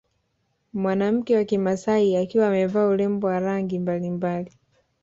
Mwanamke wa kimasai akiwa amevaa urembo wa rangi mbalimbali